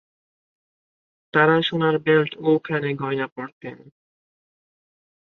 তারা সোনার বেল্ট এবং কানে গয়না পরতেন।